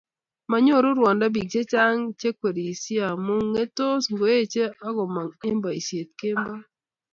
manyoruu ruondo biik chechang cheikwerishei amu ngetsoot ngoeche agomong eng boisiet kemboi